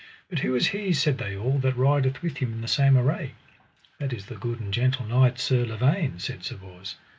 But who is he, said they all, that rideth with him in the same array? That is the good and gentle knight Sir Lavaine, said Sir Bors.